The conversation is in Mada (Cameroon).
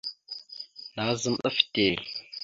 Nazam ɗaf te.